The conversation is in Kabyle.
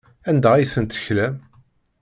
Anda ay tent-teklam?